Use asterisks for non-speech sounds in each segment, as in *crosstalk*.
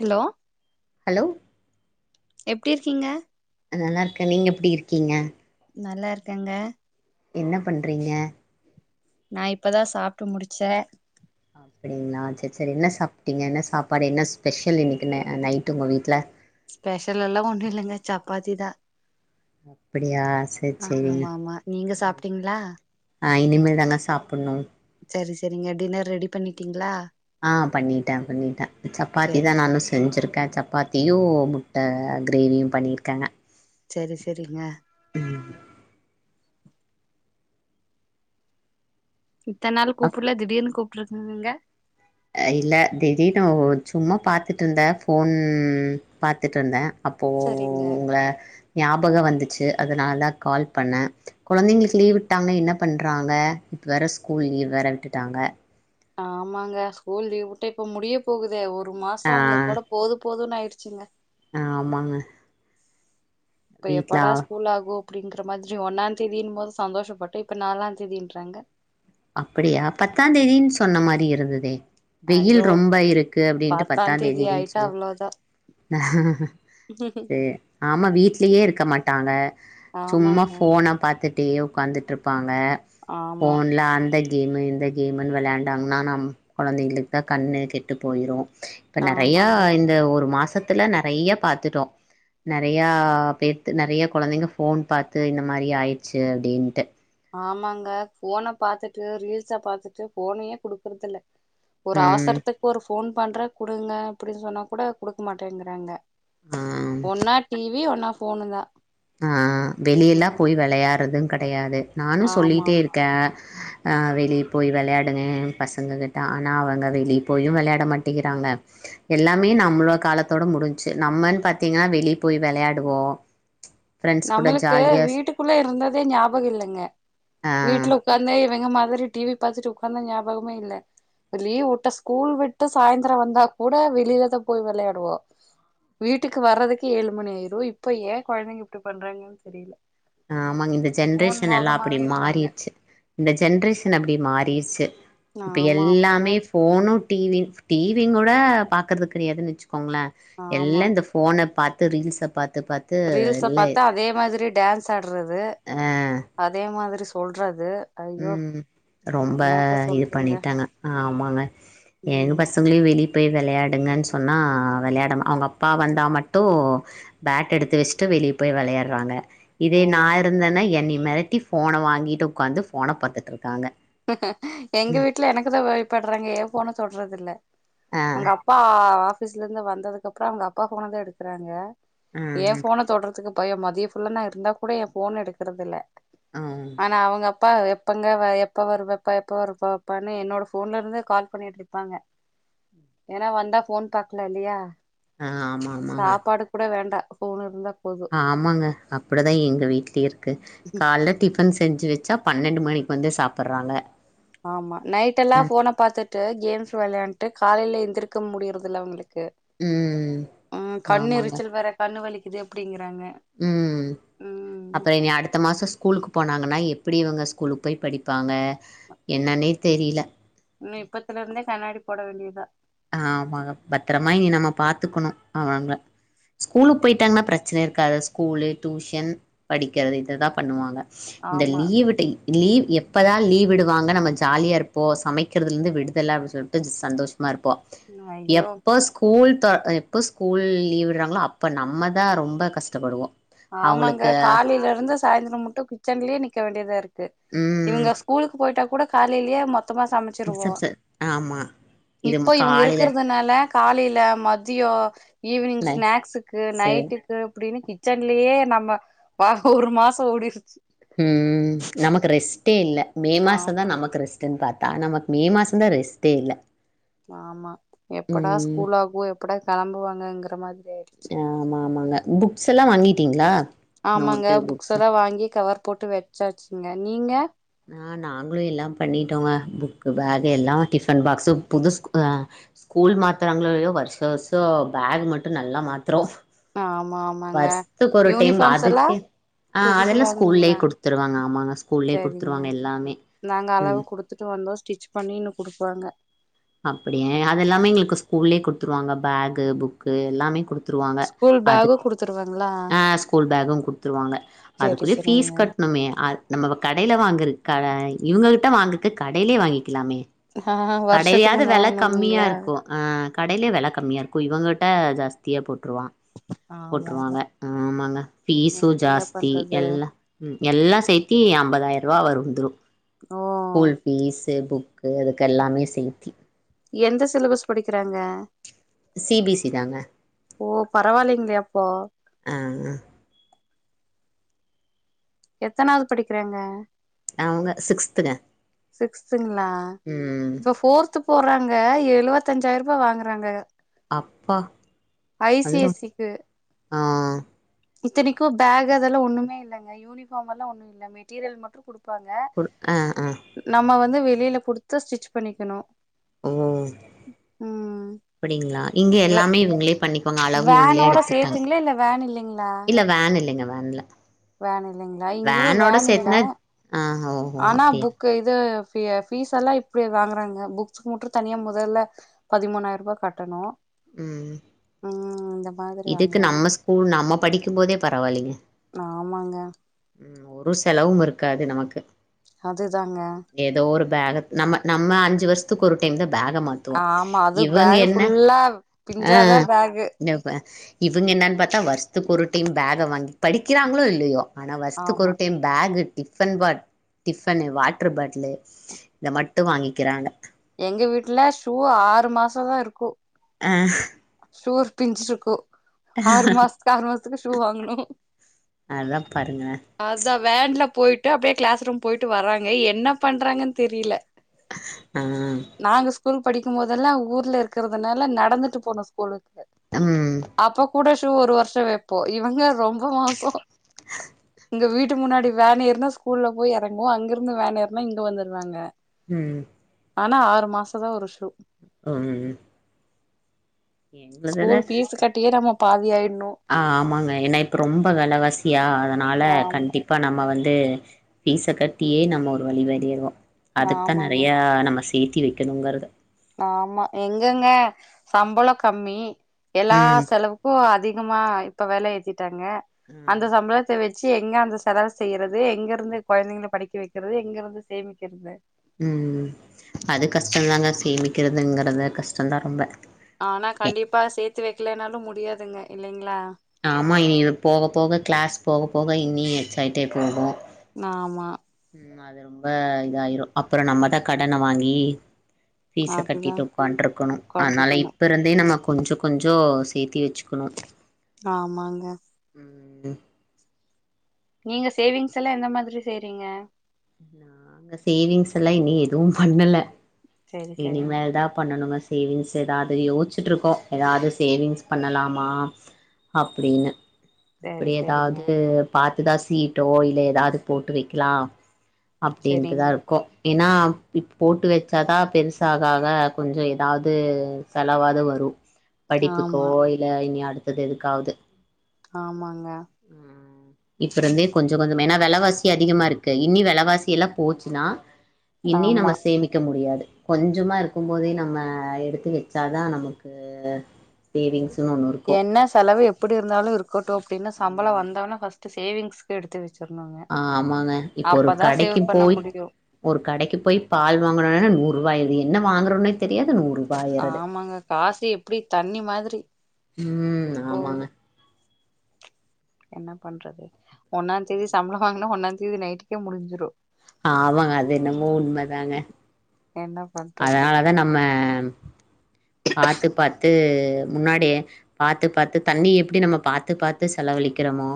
Hello hello எப்டி இருக்கீங்க அது நல்லா இருக்கேன் நீங்க எப்டி இருக்கீங்க நல்லா இருக்கேங்க என்ன பண்றீங்க நான் இப்பதான் சாப்டு முடிச்சேன் அப்டிங்களா சரி சரி என்ன சாப்டீங்க என்ன சாப்பாடு என்ன ஸ்பெஷல் இன்னைக்கு நைட் உங்க வீட்டுல ஸ்பெஷல் எல்லாம் ஒண்ணும் இல்லைங்க சப்பாத்தி தான் அப்படியா செரி செரி ஆமா ஆமா நீங்க உம் சாப்ட்டீங்களா நா இனிமேல் தாங்க சாப்டணும் சரி சரிங்க டின்னர் ரெடி பண்ணிட்டீங்களா ஆஹ் பண்ணிட்டேன் பண்ணிட்டேன் சப்பாத்தி சரி தான் சரி நானும் செஞ்சிருக்கேன் சப்பாத்தி யும் முட்ட கிரேவியும் பண்ணியிருக்கேங்க சரி சரிங்க உம் இத்தனாள் கூப்புல திடீர்னு கூப்பு ட்ருக்கங்க அ இல்ல திலீப் னு சும்மா பாத்துட்டுருந்தேன் ஃபோன் பாத்துட்டு்ருந்தேன் அப்போ சரிங்க உங்கள ஞாபகம் வந்து சே அதனால கால் பண்ணே குழந்தைங்களுக்கு லீவ் விட்டாங்க என்ன பண்றாங்க இப்ப வேற ஸ்கூல் லீவ் வேற விட்டுட்டாங்க ஆமாங்க ஸ்கூல் லீவ் விட்டே இப்ப முடிய போகுதே ஒ ரு மாசம் அவங்க கூட போதும் போதுன் ஆயிடுச்சிங்க ஆஹ் ஆமாங்க இப்ப வீட்ல எப்படா ஸ்கூல் ஆகும் அப்டிங்கிற மாரி ஒன்னா தேதின்னு போது சந்தோஷப்பட்டே இப்ப நாலாம் தேதின்றாங்க அப்டியா பத்தாம் தேதினு சொன்ன மாரி இருந்ததே வெயில் ஐயோ ரொம்ப இருக்கு அப்டின்ட்டு பத்தா பத்தாந் தேதி தேதினு ஆயிட்டா சொல் அவ்ளோதா செர் ஆமா வீட்லயே இருக்க மாட் டாங்க சும்மா ஆமாங்க ஃபோன பாத்து ட்டே உக்காந்துட்டு இருப்பாஙக ங்க ஆமா ஃபோன்ல அந்த கேமு இந்த கேமுன்னு விளையாண்டாங்கன்னா நம் குழந்தைங்களுக்கு தான் கண்ணு கெட்டு போயிடும் இப்ப நெறைய ஆமாங்க இந்த ஒரு மாசத் துல நெறைய பாத்துட்டோம் நெறையா பேத் நெறைய குழந்தைங்க ஃபோன் பாத்து இந்த மாரி ஆயிடுச்சு அப்டின்ட்டு ஆமாங்க ஃபோன பாத்துட்டு ரீல்ஸ பாத்துட்டு ஃபோனயே குடுக்குறது இல்ல ஒரு ம் அவசரத்துக்கு ஒரு ஃபோன் பண்ற குடுங்க அப்டின்னு சொன்னா கூட குடுக்க மாட்டேங்கறாங்க ஆ ஒன்ன டிவி ஒன்னா போனுதா ஆஹ் வெளிய எல்லாம் போய் விளையாறது கிடையாது நானும் சொல்லிட்டே ஆமாமா இருக்கே ஆஹ் வெளியே போய் விளையாடுங்க பசங்க கிட்ட ஆனா அவங்க வெளியே போயும் விளையாட மாட்டேங்கிறாங்க எல்லாமே நம்மளோ காலத்தோட முடிஞச்சு நம்மன்னு பார்த்தீங்கன்னா வெளியே போய் விளையாடுவோம் ஃப்ரெண்ட்ஸ் கூட நம்மளுக்கு ஜாலியாக வீட்டுக்குள்ள இருந்ததே ஞாபகம் இல்லைங்க ஆ வீட்டுல உட்காந்த இவங்க மாத மாதிரி டிவி பா்த்துட்டு உட்காந்த ஞாபகமே இல்ல லீவ் விட்ட ஸ்கூல் விட்டு சாயந்திரம் வந்தா கூட வெளியிலதான் போய் விளையாடுவோம் வீட்டுக்கு வர்றதுக்கு ஏழு மணி ஆயிரும் இப்ப ஏன் கொழந்தைங்க ட்டு பண்றாங்கன்ன தெரியல ஆஹ் ஆமாங்க இந்த ஜென்ரேஷன் எல்லாம் அப்டி இருக்காங்க மாறிர்ச்சு இந்த ஜென்ரேஷன் அப்டி மாறிர்ச்சு இப்ப ஆமா ஆமாங்க எல்லாமே போனு டிவி டிவி கூட பாக்கறது கிடையாதுன்ச்சு ங்கள ஆமா எல்லாம் இந்த போன பாத்து த ரீல்ஸ் அப் ரீல்ஸ பாத்தா அதே மாதிரி டான்ஸ் சாடுறது அதே மா மாதிரி சொல்றது ஐயோ உஹம் ரொம்ப என்னத்த இது சொல்றீங்க பண்ணிட்டாங்க ஆமாங்க எங்க ம் பசங்களையும் வெளிய போய் விளையாட எடுங்கன் சொன்னா விளையாடுஅவங்க அப்பா வந்தா மட்டு பேட் எடுத்து வச்சுட்டு வெளிய போய் விளையாடுறாங்க இதே ஓ நான் இருந்தேன்ன என்னி மிரட்டி போன வாங்கிட்டு உட்காந்து போன பாத்துட்ருக்காங்க எங்க வீட்டுல எனக்குதான் பயப்படறாங்க என் போன தொடறது இல்ல ஆ உங்க அப்பா ஆபீஸ்லருந்து வந்ததுக்கு அப்றோ அவுங்க அப்பா போன தா எடுக்கறாங்க ஏ ம் போன தொட்றதுக்கு பயோ மதிய ஃபுல்ல நா இருந்தா கூட எ போன எடுக்கறதில்ல ம் ஆனா அவங்க அப்பா எ ப்பங்க *unintelligible* எப்ப வருவப்பா எப்ப வருப்பாப்பான்னு என்னோட போன்ல இருந்து கால் பண்ணிட்ருப்பாங்க ஏன்னா வந்தா போன் பாக்கலா இல்லையா ஆ ஆமா ஆமாங்க சாப்பாடு கூட வேண்டா ஃபோன் இருந்தா போது ஆமாங்க அப்படிதா எங்க வீட்ல இருக்கு கால்ல டிஃ ஃபன் செஞ்சு வெச்சா பன்னெண்டு மணிக்கு வந்து சாப்பறாங்க ஆமா நைட் எல்லா ஃபோன பாத்துட்டு கேம்ஸ் விளையாண்ட்டு காலையில எந்திரு க்கு முடியறதில்ல அவங்களுக் கு ம் உம் கண்ணு எரிச்சல் வேற கண்ணு வலி இது எப்டிங்க உம் அப்ப இனி அடுத்த மாசோ ஸ்கூலுக்கு போனாங்கன்னா எப் பிடி இவங்க ஸ்கூலுக் போய் படிப்பாங்க என்னன்னே தெரில ம் இப்பத்துல இருந்தே கண்ணாடி போட வேண்டியதா ஆ ஆமா பத்தரமா இனி நம்ம பாத்துக்குணு அவுங்ல ஸ்கூலுக்கு போயிட்டாங்ன்னா பிரச்சன இருக்காது ஸ்கூலு டூஷன் படிக்கிறது இத தா பண்ணுவாங்க ஸ் இந்த ஆமா லீவ் விட்ட இ லீவு எப்போதா லீவ் விடுவாங்க நம்ம ஜாலியா இருப்போ சமைக்கிறதுலருந்து விடுதல அப்பி சொல்ட்டு சந்தோஷம இருப் போ ஐயோ எப்ப ஸ்கூல் த்த எப்போ ஸ்கூல் லீவ் விடுறாங்களோ அப்போ நம்ம தா ரொம்ப கஷ்டப்படுவோ ஆமாங்க அவங்களுக்கு காலேயில இருந்து சாயந்தரோ முட்டு கிச்சன்லயே நிக்க வேண்டியதா இருக்கு ம் இவங்க ஸ்கூலுக்கு போயிட்டா கூட காலேலியே மொத் த்தமா சமைச்சிருவோ ரிசப்ஷன் ஆமா இது ம இப்போ இவங்க காலையில இருக்கிறதுனால காலேய்ல மதியோ ஈவினிங் நை ஸ்நாக்ஸுக்கு சேர் நைட்டுக்கு அப்பிடீனு கிச்சன்லயே நம்ம வா ஒரு மாசோ ஓடிர்ச்சு உம் நமக்கு ரெஸ்டே இல்ல மே மாசு தா ஆமாங்க நமக்கு ரெஸ்டுன் பாத் ஆ நமக்கு மே மாசந் தா ரெஸ்ட்டே இல்ல ஆமா எப்படா ம் ஸ்கூல் ஆகவோ எப்படா கெளம்புவாங்கங்கிற மாரி ஆமா ஆமாங்க புக்ஸ் எல்லா வாங்கிட்டீங்ளா ஆமாங்க நோட்டு புக்ஸு சர்ச்சுங்க நீங்க ஆ நாங்ளு எல்லா பண்ணிட்டோங்க புக்கு பேக்கு எல்லா டிஃபன் பாக்ஸு புது ஸ்கூ ஆ ஸ்கூல் மாத்துறாங்களோ இல்லயோ வருஷா வருஷ பேக் மட்டு நல்லா மாத்துறோ ஆமா ஆமாங்க வருஷத்துக்கு ஒரு டைம் யூனிஃபாம்ஸ் எல்லா அதுக்கு ஆ புதுசு அதெல்லா ஸ்கூல்லயே வாங்கனுங்களா குடுத்துருவாங்க ஆமாங்க ஸ்கூல்லயே செரிங்க குடுத்துருவாங்க எல்லாமே நாங்க அளவு ம் குடுத்துட்டு வந்தோ ஸ்டிச் பண்ணி இன்னு குடுப்பாங்க அப்டி அதெல்லாமே எங்ளுக்கு ஸ்கூல்லே குடுத்துருவாங்க பேக்கு புக்கு எல்லாமே குடுத்து த்துருவாங்க ஸ்கூல் அது பேகு குடுத்துருவாங்களா ஆ ஸ்கூல் பேக்கு குடுத்துருவாங்க சரி அதுக்குரிய சரிங்க ஃபீஸ் கட்னுமே ஆ நம்ம கடையில வாங்கர் கட இவங்ககிட்ட வாங்றக்கு கடைலேயே வாங்கிக்லாமே ஆ வருஷத்துக்கு கடயாது ஒண்ணு வெல கம்மியா வாங்கணும்னீங்களா இருக்கு ஆ கடைலயே வெல கம்மியா இருக் க்கு இவங்கட்ட ஜாஸ்தியா போட்டு போட்ருவா ஆமா ஆமா போட்ருவாங்க ஆமாங்க ஃபீஸூ என்னங்க ஜாஸ்தி பண்றது எல்லா ம் எல்லா சேத்தி அம்பதாயிர ரூவா வரு துரு ஓ ஸ்கூல் ஃபீஸு புக் க்கு அதுக்கெல்லாமே சே சேத்தி எந்த சிலபஸ் படிக்றாங்க சி பி சி தாங்க ஓ பரவால்லைங்களே அப்போ ஆ எத்தனாது படிக்கிறாங்க ஆ அவங்க சிக்ஸ்த்துங்க சிக்ஸ்துங்களா ம் இப்ப ஃபோர்த் போறாங்க ங்க எழுவத்தஞ்சாயிரூவா வாங்கறாங்க அப்பா அதுல ஐசிஐசிக்கு ஆ இத்தனைக்கு பேக் அதெல்லா ஒண்ணுமே இல்லங்க யூனிஃபார்மெல்லா ஒன்னுமே இல்ல மெட்டீரியல் மட்டு குடு ப்பங்க குடு ஆ ஆ நம்ம வந் வந்து வெளில குடுத்து ஸ்டிச் பண்ணிக்கனு ஓ அப்டிங்களா இங்க வே எல்லாமே இவுங்ளே வேனோட சேத்துங்களா இல்ல வேன் இல்லைங்களா பண்ல வேன் இல்லைங்களா இங்கையு வேன் இல்ல ஆ ஓஹோ ஆனா அப்படியா புக் இது ஃபீ ஃபிஸ்ஸெல்லா இப்டி வாங்குறாங்க புக்ஸுக்கு மட்டு தனியாக மொதல்ல பதிமூணாயிரூபா கட்டணு ம் ம்ம் தா இதுக்கு நம்ம ஸ்கூல் நம் நம்ம படிக்கும்போதே பரவால்லைங்க ஆம்மாங்க ம் ஒரு செலவும் இருக்காது நமக்கு அதுதாங்க க நம்ம நம்ம அஞ்சு வருத்துக்கு ஒரு டைம் தா வேக மாத்துவோ ஆமா அது இவங்க பேக் என்ன ஃபுல்லா பிஞ்சாதா பேகு இவங்க என்னு ப்த்தா வருத்து பொருட்டு பேக வாங்கி படிக்கிறாங்களோ இல்லையோ ஆனா வஸ்தக்கு ஒரு ஆமா time bag tiffin pot tiffin water bottle இதை மட்டு வாங்கிக்கிறாங்க எங்க வீட்டுல ஷூ ஆறு மாசோ தா இருக்கு ஆ சூர்ப்பிஞ்சிருக்கு ஆறு மாசத்துக்கு ஆறு மாசத்துக்கு ஷூ வாங்கணு அதா பாருங்க அதா வேன்ல போயி்டட்டு அப்படியே கிளாஸ் ரூம் போயிட்டு வராங்க என்ன பண்றாங்கன்னு தெரியல ஆஹ் ஸ்கூல் படிக்கும் போதெல்லாம் ஊர்ல இருக்கிறதுனால நடந்துட்டு போனாஷ்கூலுக் ம் அப்ப கூட ஒரு வருஷம் வைப்போ இவங்க ரொம்ப மோசோ இங்க வீட்டு முன்னாடி வேன் ஏறனா ஸ்கூல்ல போய் இறங்குவோ அங்கிருந்து வேன் ஏறனா இங்க வந்துடுவாங்க ம் ஆனா ஆறு மாச தா ஒருஷூல் ம்ம் ஸ்கூல் ஃபீஸ் கட்டியே நாம பாதியாயி ஆ ஆமாங்க ஏன்னா இப்ப ரொம்ப வெலவாசி யா அதனால ஆமா கண்டிப்பா நம்ம வந் ம் ஃபீச கட்டியே நம்ம ஒரு வழிபனிருவோ அதுக் தா ஆமாங்க நிறைய நமஸ் சேத்தி வைக்கணுங்கறது ஆமா எங்கங்க சம்பளம் கம்மி எல்லா ம். செலவுக்கு அதி கமா இப்ப வேல எத்தி தாங்க அந்த ம். சம்பளத்த வச் ச்சு எங்க அந்த செலவு செய்யறது எங்க இருந்து குழந்தைங்களை படிக்க வைக்கிறது எங்க இருந்து சேமிக்கிறது உம் அது கஷ்டம்தாங்க சேமிக்கிறதுங்கறிறது கஷ்டம்தா ரொம்ப ஆனா எ கண்டிப்பா சேத்து வைக்கில நாலு முடியாதுங்க இல்லைங்களா ஆமா இனி போக போக கிளாஸ் போக போக இனி எக்ஸைட்டே போகு ஆமா அது ரொம்ப இதாயிரும் அப்புறம் நம்ம தான் கடனை வாங்கி பீசை அதுதா கட்டிட்டு உட்கார்ந்து இருக்கணும் அதனால உக்காண்ட்ருக்கணு இப்ப இருந்தே நம்ம கொஞ்ச கொஞ்ச சேர்த்தி வெச்சுக்கணும் ஆமாங்க ம் ம் நீங்க சேவிங்ஸ் எல்லா எந்த மாதிரி செய்றீங்க நாங்க சேவிங்ஸ் எல்லா இனி எதுவும் பண்ணல செரி செரிங் இனிமேல் தான் பண்ணனுங்க சேவிங்ஸ் ஏதாவது யோசிச்சிட்டு இருக்கோம் எதாவது சேவிங்ஸ் பண்ணலாமா அப்படின்னு செரி அப்டி செரிங்க எதாவது பார் இத சீட்டோ இல்ல ஏதாது போட்டு வெக்லாம் செரிங்க அப்டின்ட்டுதான் இருக்கோம் ஏனா இப்ப போட்டு வச்சாதான் பெருசாக ஆக கொஞ்சம் எதாவது செலவாது வரும். படிப்புக்கோ ஆமா இல இனி அடுத்து, அது எதுக்காவுது ஆமாங்க இப்பருந்தே கொஞ்ச கொஞ்சம ஏன்னா வெல வாசி அதிகமா இருக்கில் இன்னி வெலவாசி எல்லாம் போச்சுன்னா இன்னி நம்ம ஆமா சேமிக்க முடியாது. கொஞ்ஞ்சமா இருக்கும் போதே நம்ம எடுத்து வச்சாதான் நமக்கு சேவிங்ஸ். என்ன செலவு எப்புடி இருந்தாலூ இருக் கட்டும் அப்டின்னு சம்பள வந்தாலு கஷ் சேவிங்ஸ் எடுத்து வச்சு ஆஹ்மாங்க இப்ப ஒரு சேவ் கடைக்கு பண்ண போய், முடியு ஒரு கடைக்கு போய் பால் வாங்கனுனா நூறுவா ஆயிடுது என்ன வாங்கறோனேத் ஆமாங்க காசு எப்டி தண்ணி மாதிரி ம் போகுது. ஆமாங்க என்ன பண்றது, ஒன்னாந் தேதி சம்பளம் வாங்கினா ஒன்னாந் தேதி நைட்டுக்கே முடிஞ்சிடும். ஆமாங்க, அது என்னமோ உண்மைதாங்க. என்ன பண்றது அதனாலதான் நம்ம, பாத்துு பாத்துு முன்னாடியே பாத்துு பாத்துு தண்ணி எப்படி நம்ம பாத்துு பாத்துு செலவழிக்கிறமோ,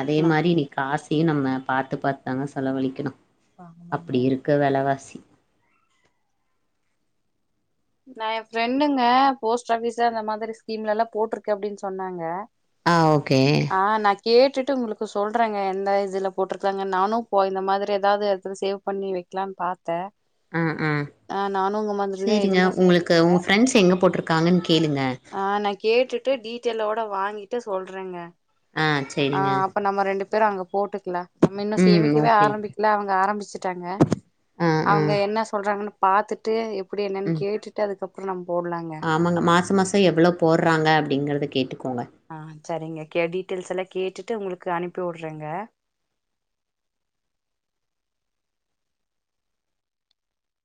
அதே நா மாரி இன்னிக்கு காசியு நம்ம, பாத்து பாத்தாங்க செலவலிக்கணும் ஆமாங்க அப்டி இருக்க வெலவாசி நான் என் ஃப்ரெண்டுங்க போஸ்ட் ஆபிஸ்சு அந்த மாதிரி ஸ்கீம்ல எல்லா போட்டுருக்கேன் அப்டின்னு சொன்னாங்க ஆ ஓகே ஆ நா கேட்டுட் ட்டு உங்ளுக்கு சொல்றேங்க எந்த இதுல போட்டிருக்கறாங்க நானு போய் இந்த மாதிரி ஏதாவு *unintelligible* சேவ் பண்ணி வெக்லான்னு பாத்த ஆ ஆ நானு உங்க மாதிரிதா எதுமே சே உங்ளுக்கு உங்க ஃப்ரெண்ட்ஸ் எங்க போட்ருக்காங்கன்னு கேளுங்க ஆ நா கேட்டுட்டு டீட்டெய்லோட வாங்கிட்டு சொல்றங்க ஆ ஹா சேரிங்க அப்ப நம்ம ரெண்டுப் பேரும் அங்க போட்டுக்குலா நம்ம இன்னு ம் சேமிக்கவே ஓகே ஆரம்பிக்ல அவங்க ஆரம்பிச் வச்சுட்டாங்க ஆ ஆ அவங்க என்ன சொல்றாங்கன்னு பாத்துட்டு எப் அப்டி என்னன்னு ம் கேட்டுட்டு அதுக்கப் *unintelligible* நம் ஆமாங்க மாசோ மாசோ எவ்ளோ போடுறாங்க அப்டிங்கறத கேட்டு ஆ சரிங்க கே டீட்டெய்ல்ஸ் எல்லா கேட்டுட்டு உங்களுக்கு அனுப்பி உட்றேங்க